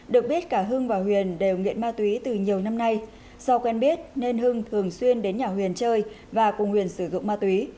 được biết cả hưng và huyền đều nghiện ma túy từ nhiều năm nay do quen biết nên hưng thường xuyên đến nhà huyền chơi và cùng huyền sử dụng ma túy